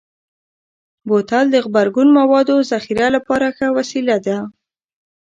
بوتل د غبرګون موادو ذخیره لپاره ښه وسیله ده.